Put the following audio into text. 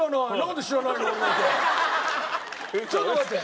ちょっと待って。